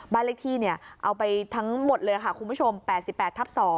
บ้านเลขที่เอาไปทั้งหมดเลยค่ะคุณผู้ชม๘๘ทับ๒